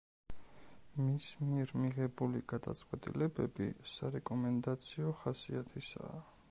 მის მიერ მიღებული გადაწყვეტილებები სარეკომენდაციო ხასიათისაა.